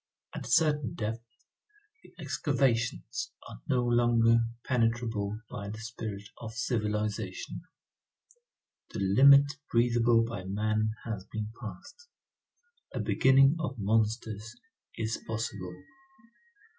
At a certain depth, the excavations are no longer penetrable by the spirit of civilization, the limit breathable by man has been passed; a beginning of monsters is possible.